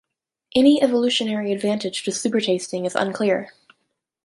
Any evolutionary advantage to supertasting is unclear.